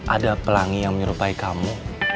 ada pelangi yang menyerupai kamu